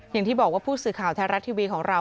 อย่างที่บอกว่าผู้สื่อข่าวไทยรัฐทีวีของเรา